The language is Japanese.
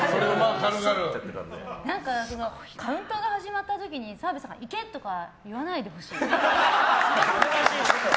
何か、カウントが始まった時に澤部さんが行け！とか言わないでほしい。